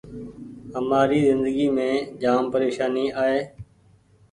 همآري زندگي مينٚ جآم پريشاني آئي